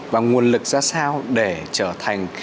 và nguồn lực ra sao để trở thành